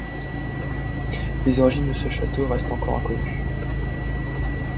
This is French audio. Les origines de ce château restent encore inconnues.